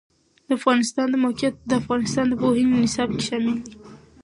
د افغانستان د موقعیت د افغانستان د پوهنې نصاب کې شامل دي.